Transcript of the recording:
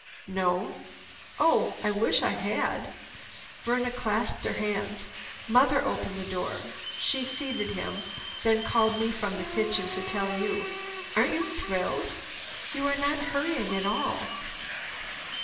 "No. Oh! I wish I had!" Verna clasped her hands. "Mother opened the door. She seated him, then called me from the kitchen to tell you. Aren't you thrilled? You are not hurrying at all."